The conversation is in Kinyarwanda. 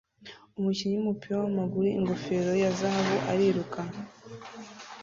Umukinnyi wumupira wamaguru ingofero ya zahabu ariruka